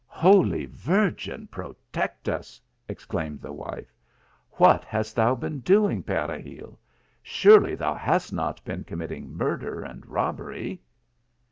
" Holy Virgin protect us !" exclaimed the wife. " What hast thou been doing, Peregil ? Surely thou hast not been committing murder and robbery